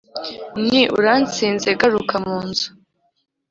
nti : urantsinze garuka mu nzu